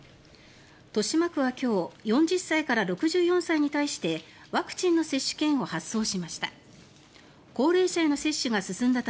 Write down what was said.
豊島区は今日４０歳から６４歳に対してワクチンの接種券を発送しました。